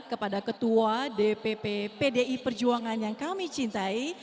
kepada ketua dpp pdi perjuangan yang kami cintai